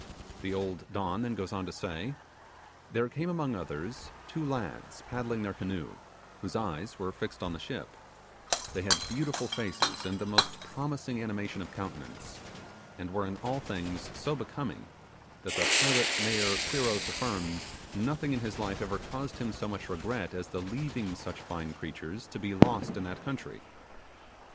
The old Don then goes on to say, 'There came, among others, two lads paddling their canoe, whose eyes were fixed on the ship; they had beautiful faces and the most promising animation of countenance; and were in all things so becoming, that the pilot mayor Quiros affirmed, nothing in his life ever caused him so much regret as the leaving such fine creatures to be lost in that country.